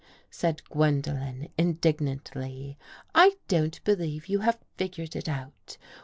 said Gwendolen indignantly. " I don't believe you have figured it out.